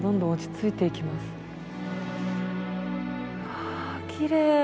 わあきれい。